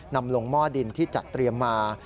นำลงหม้อดินที่จัดเตรียมมา